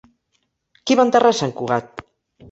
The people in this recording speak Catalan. Qui va enterrar sant Cugat?